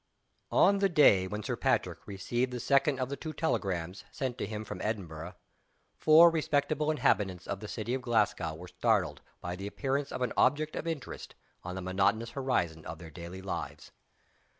ON the day when Sir Patrick received the second of the two telegrams sent to him from Edinburgh, four respectable inhabitants of the City of Glasgow were startled by the appearance of an object of interest on the monotonous horizon of their daily lives.